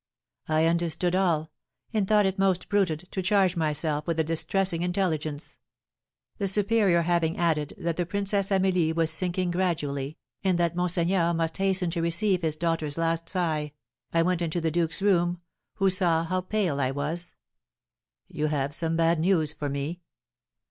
I understood all, and thought it most prudent to charge myself with the distressing intelligence. The superior having added that the Princess Amelie was sinking gradually, and that monseigneur must hasten to receive his daughter's last sigh, I went into the duke's room, who saw how pale I was. "You have some bad news for me?"